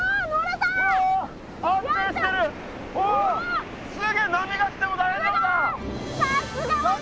さすが私！